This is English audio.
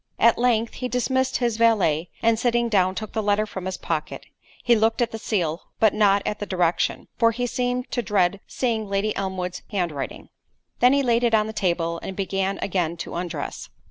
At length, he dismissed his valet, and sitting down, took the letter from his pocket. He looked at the seal, but not at the direction; for he seemed to dread seeing Lady Elmwood's handwriting. He then laid it on the table, and began again to undress.